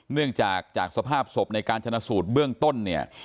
เนื่องจากจากสภาพศพในการชนะสูตรเบื้องต้นเนี่ย